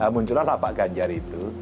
muncullah lapak ganjar itu